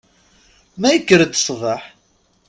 Ma yekker-d sbeḥ.